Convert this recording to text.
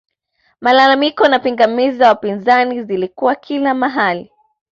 malalamiko na pingamizi za wapinzani zilikuwa kila mahali